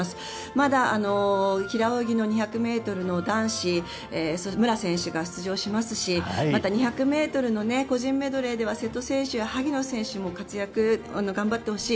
まだ、平泳ぎの２００ｍの男子武良選手が出場しますし２００ｍ個人メドレーでは瀬戸選手や萩野選手も活躍、頑張ってほしい。